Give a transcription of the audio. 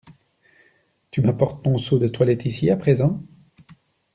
Tu m’apportes ton seau de toilette ici, à présent ?